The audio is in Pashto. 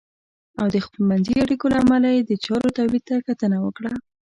او د خپلمنځي اړیکو له امله یې د چارو تولید ته کتنه وکړه .